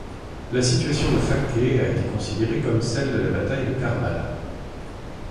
La situation de Fakkeh a été considérée comme celle de la bataille de Karbala.